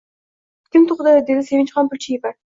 Kim tug`dirdi, dedi Sevinchixon Pulchieva